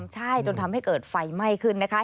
ใช่จนทำให้เกิดไฟไหม้ขึ้นนะคะ